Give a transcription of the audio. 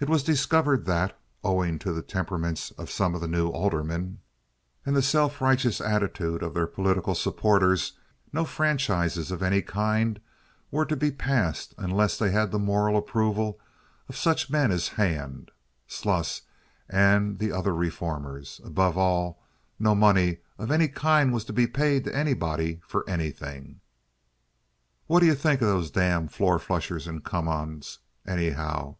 It was discovered that, owing to the temperaments of some of the new aldermen, and to the self righteous attitude of their political sponsors, no franchises of any kind were to be passed unless they had the moral approval of such men as Hand, Sluss, and the other reformers; above all, no money of any kind was to be paid to anybody for anything. "Whaddye think of those damn four flushers and come ons, anyhow?"